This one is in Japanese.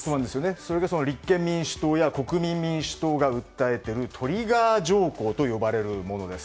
それが立憲民主党や国民民主党が訴えているトリガー条項と呼ばれるものです。